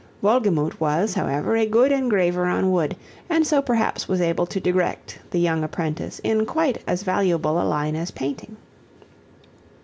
Wolgemut was, however, a good engraver on wood and so perhaps was able to direct the young apprentice in quite as valuable a line as painting.